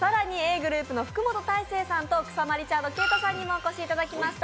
ｇｒｏｕｐの福本大晴さんと草間リチャード敬太さんにもお越しいただきました。